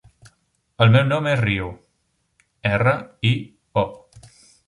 El meu nom és Rio: erra, i, o.